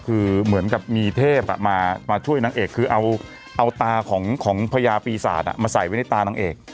คือเหมือนกับมีเทพมาช่วยนางเอกคือเอาตาของพญาปีศาจมาใส่ไว้ในตานางเอก